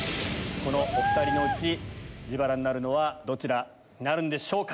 このお２人のうち自腹になるのはどちらなんでしょうか。